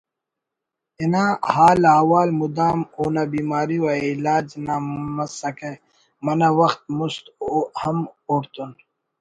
انا حال احوال مدام اونا بیماری و علاج نا مسکہ منہ وخت مست ہم اوڑتون